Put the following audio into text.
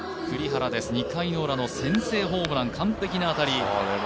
栗原です、２回ウラの先制ホームラン、完璧な当たり。